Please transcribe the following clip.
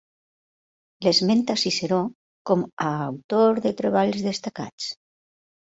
L'esmenta Ciceró com a autor de treballs destacats.